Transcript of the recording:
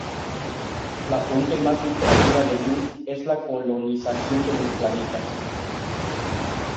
La fuente más lucrativa de Mus es la colonización de los planetas.